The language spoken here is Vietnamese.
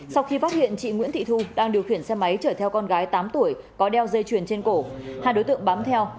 sau khi phát hiện chị nguyễn thị thu đang điều khiển xe máy chở theo con gái tám tuổi có đeo dây chuyền trên cổ hai đối tượng bám theo